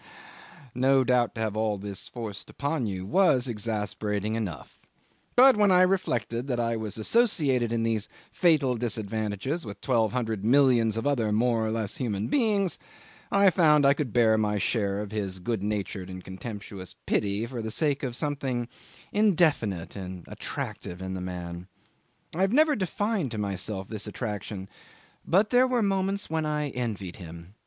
No doubt, to have all this forced upon you was exasperating enough; but when I reflected that I was associated in these fatal disadvantages with twelve hundred millions of other more or less human beings, I found I could bear my share of his good natured and contemptuous pity for the sake of something indefinite and attractive in the man. I have never defined to myself this attraction, but there were moments when I envied him.